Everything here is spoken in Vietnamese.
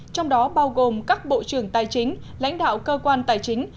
trong đó bao gồm các bộ trưởng tài chính lãnh đạo cơ quan tài chính